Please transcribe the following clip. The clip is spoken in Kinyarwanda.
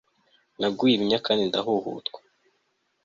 naguye ibinya kandi ndahuhutwa